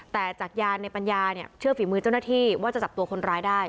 แต่จากยานในปัญญาเนี่ยเชื่อฝีมือเจ้าหน้าที่ว่าจะจับตัวคนร้ายได้